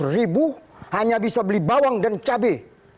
seratus ribu hanya bisa beli bawang dan cabai